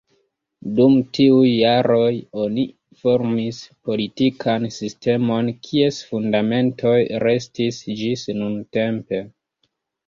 Dum tiuj jaroj oni formis politikan sistemon kies fundamentoj restis ĝis nuntempe.